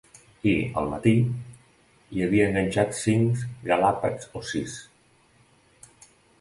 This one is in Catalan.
I, al matí, hi havia enganxats cinc galàpets o sis.